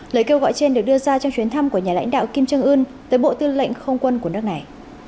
lời kêu gọi trên được đưa ra trong chuyến thăm của nhà lãnh đạo kim trương ưn tới bộ tư lệnh không quân của nước này